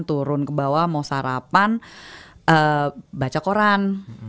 turun ke bawah mau sarapan baca koran